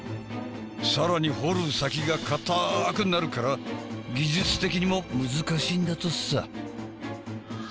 更に掘る先が硬くなるから技術的にも難しいんだとさ。